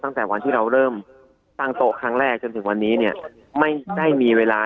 ตั้งแต่วันที่เราเริ่มตั้งโต๊ะครั้งแรกจนถึงวันนี้เนี่ยไม่ได้มีเวลา